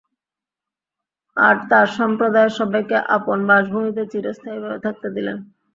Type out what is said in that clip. আর তার সম্প্রদায়ের সবাইকে আপন বাসভূমিতে চিরস্থায়ীভাবে থাকতে দিলেন।